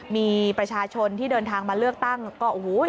มีประชาชนที่เดินทางมาเลือกตั้งก็โอ้โห